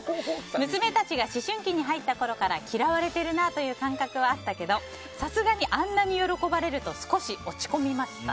娘たちが思春期に入ったころから嫌われているなという感覚はあったけどさすがにあんなに喜ばれると少し落ち込みました。